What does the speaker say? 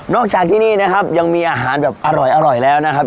จากที่นี่นะครับยังมีอาหารแบบอร่อยแล้วนะครับ